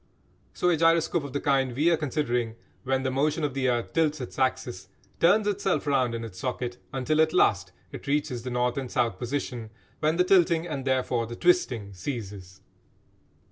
So a gyroscope of the kind we are considering, when the motion of the earth tilts its axis, turns itself round in its socket until at last it reaches the north and south position, when the tilting, and therefore the twisting, ceases.